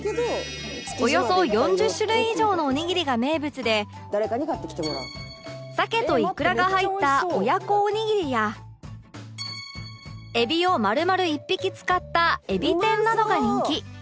およそ４０種類以上のおにぎりが名物で鮭といくらが入った親子おにぎりやえびを丸々１匹使ったえび天などが人気